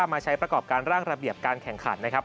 มาใช้ประกอบการร่างระเบียบการแข่งขันนะครับ